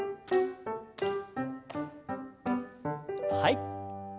はい。